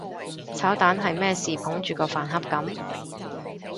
炒蛋係咩事捧住個飯盒噉？